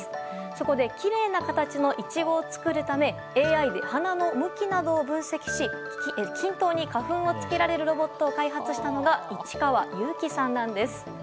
そこできれいな形のイチゴを作るためＡＩで花の向きなどを分析し均等に花粉をつけられるロボットを開発したのが市川友貴さんなんです。